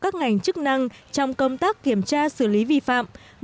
các ngành chức năng cũng cần phải nâng cao nhận thức và ý thức chấp hành